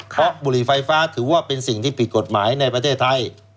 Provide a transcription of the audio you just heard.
เพราะบุหรี่ไฟฟ้าถือว่าเป็นสิ่งที่ผิดกฎหมายในประเทศไทย